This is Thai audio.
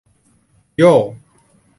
โย่